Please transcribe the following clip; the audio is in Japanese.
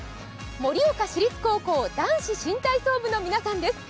盛岡市立高校男子新体操部の皆さんです。